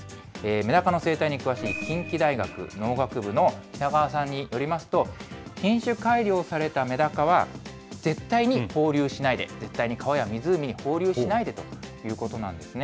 メダカの生態に詳しい近畿大学農学部の北川さんによりますと、品種改良されたメダカは絶対に放流しないで、絶対に川や湖に放流しないでということなんですね。